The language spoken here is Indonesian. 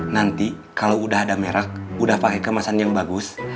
nanti kalau udah ada merek udah pakai kemasan yang bagus